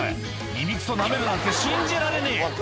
「耳クソなめるなんて信じられねえ」